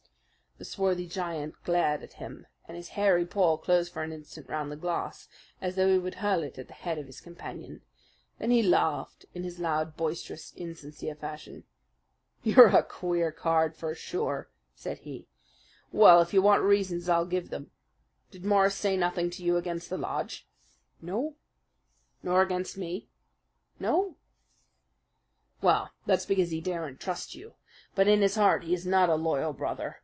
The swarthy giant glared at him, and his hairy paw closed for an instant round the glass as though he would hurl it at the head of his companion. Then he laughed in his loud, boisterous, insincere fashion. "You're a queer card, for sure," said he. "Well, if you want reasons, I'll give them. Did Morris say nothing to you against the lodge?" "No." "Nor against me?" "No." "Well, that's because he daren't trust you. But in his heart he is not a loyal brother.